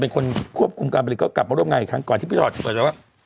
เป็นคนควบคุมการบริการกลับมาร่วมงานอีกครั้งก่อนที่พี่ฉอดบอกว่า